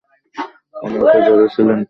অন্যদিকে জলি ছিলেন ঠিক বাবার মতো।